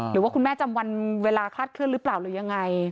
หรือว่าคุณแม่จำวันเวลาคลาดเคลื่อนหรือเปล่าหรือยังไง